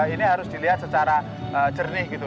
ini harus dilihat secara jernih gitu